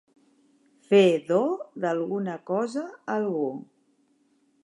Fer do d'alguna cosa a algú.